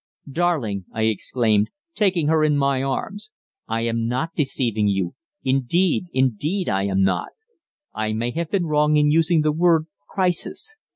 "Darling," I exclaimed, taking her in my arms, "I am not deceiving you indeed, indeed I am not. I may have been wrong in using the word 'crisis.'